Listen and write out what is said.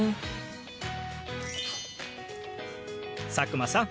佐久間さん